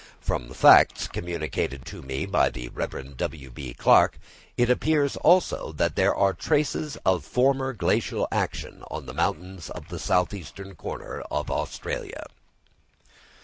From facts communicated to me by the Rev. W.B. Clarke, it appears also that there are traces of former glacial action on the mountains of the south eastern corner of Australia.